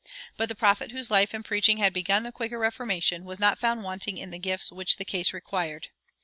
But the prophet whose life and preaching had begun the Quaker Reformation was not found wanting in the gifts which the case required.